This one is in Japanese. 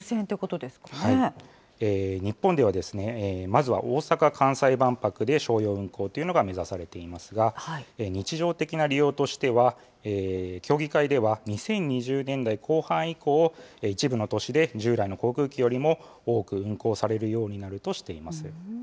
運賃は１人当たり１００ドル一万数千円ということですか日本ではまずは大阪・関西万博で商用運航というのが目指されていますが、日常的な利用としては、協議会では２０２０年代後半以降、一部の都市で従来の航空機よりも多く運航されるようになるとしています。